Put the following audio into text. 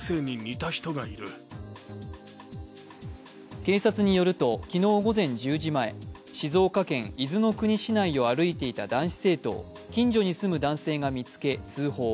警察によると昨日午前１０時前、静岡県伊豆の国市内を歩いていた男子生徒を近所に住む男性が見つけ、通報。